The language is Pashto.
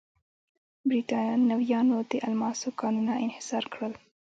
برېټانویانو د الماسو کانونه انحصار کړل.